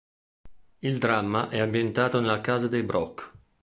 Il dramma è ambientato nella casa dei Brock.